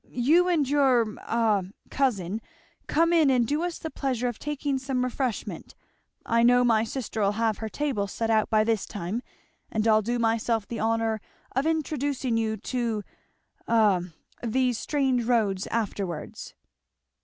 You and your a cousin come in and do us the pleasure of taking some refreshment I know my sister'll have her table set out by this time and I'll do myself the honour of introducing you to a these strange roads afterwards."